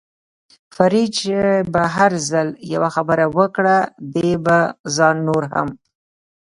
فرید چې به هر ځل یوه خبره وکړه، دې به ځان نور هم.